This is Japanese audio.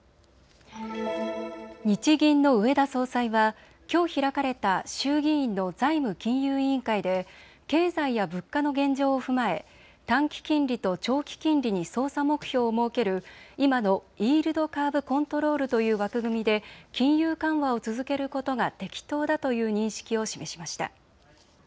日銀の植田総裁はきょう開かれた衆議院の財務金融委員会で経済や物価の現状を踏まえ短期金利と長期金利に操作目標を設ける今のイールドカーブコントロールという枠組みで金融緩和を続けることが適当だという認識を示しました。